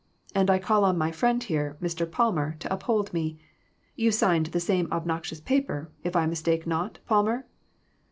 And I call on my friend here, Mr. Palmer, to uphold me. You signed the same obnoxious paper, if I mistake not, Palmer